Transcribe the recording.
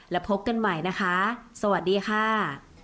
แล้วพบกันใหม่นะคะสวัสดีค่ะ